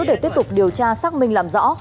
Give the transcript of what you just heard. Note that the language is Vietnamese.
để tiếp tục điều tra xác minh làm rõ